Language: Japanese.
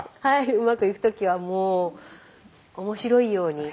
うまくいく時はもう面白いように。